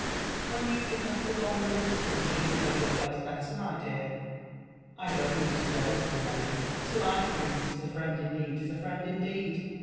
When you've been a little longer in this country, you'U know your place better, my dear. I don't mean to go, little lady, till I've proved that a friend in need is a friend indeed.